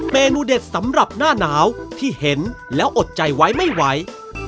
เมนูเด็ดสำหรับหน้าหนาวที่เห็นแล้วอดใจไว้ไม่ไหว